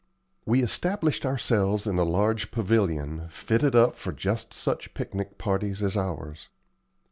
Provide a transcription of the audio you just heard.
We established ourselves in a large pavilion, fitted up for just such picnic parties as ours.